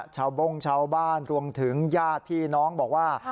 บ้งชาวบ้านรวมถึงญาติพี่น้องบอกว่า